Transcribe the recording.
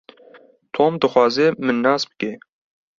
Tom dixwaze min nas bike.